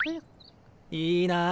いいなあ。